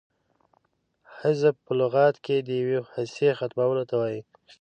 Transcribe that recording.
حذف په لغت کښي د یوې حصې ختمولو ته وايي.